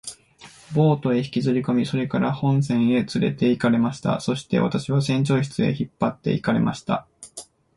ボートへ引きずりこみ、それから本船へつれて行かれました。そして私は船長室へ引っ張って行かれました。